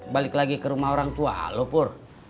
balik lagi ke rumah orang tua lo pur